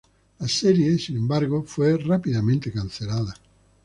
La serie, sin embargo, fue rápidamente cancelada.